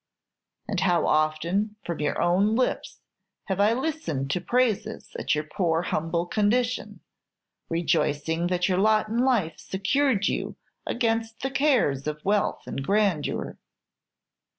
"And how often, from your own lips, have I listened to praises at your poor humble condition; rejoicings that your lot in life secured you against the cares of wealth and grandeur!"